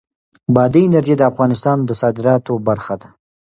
بادي انرژي د افغانستان د صادراتو برخه ده.